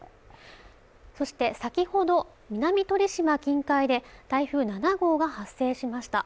そして先ほど南鳥島近海で台風７号が発生しました